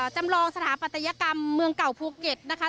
จำลองสถาปัตยกรรมเมืองเก่าภูเก็ตนะคะ